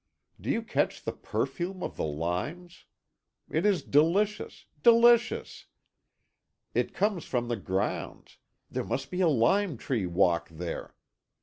Do you catch the perfume of the limes? It is delicious delicious! It comes from the grounds; there must be a lime tree walk there.